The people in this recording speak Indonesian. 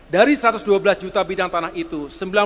dari satu ratus dua belas juta bidang tanah itu